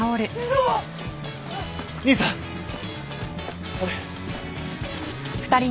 兄さんあれ。